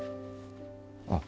あっ。